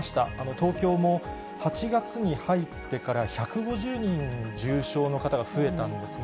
東京も８月に入ってから１５０人重症の方が増えたんですね。